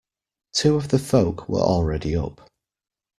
Two of the Folk were already up.